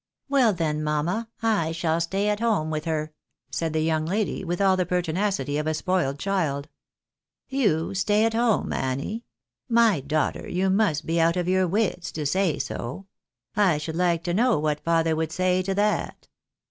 " Well, then, mamma, I shall stay at home with her," said the young lady, with all the pertinacity of a spoiled child. G 2 TOO THE BARNAEYS IN AMERICA " You stay at home, Annie ? Mj daughter, you must be out of your wits to say so. I should hke to know what father would say to that?